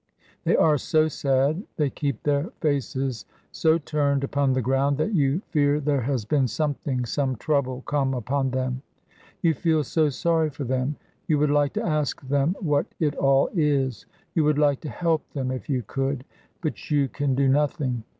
They are so sad, they keep their faces so turned upon the ground, that you fear there has been something, some trouble come upon them. You feel so sorry for them, you would like to ask them what it all is; you would like to help them if you could. But you can do nothing.